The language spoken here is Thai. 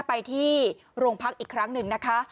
ไปที่โรงพักอีกครั้งหนึ่งนะคะ